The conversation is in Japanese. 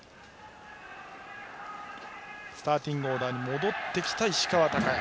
スターティングオーダーに戻ってきた石川昂弥。